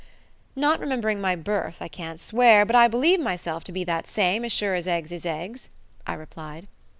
"Not remembering my birth, I can't swear; but I believe myself to be that same, as sure as eggs is eggs," I replied.